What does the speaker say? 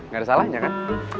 gak ada salahnya kan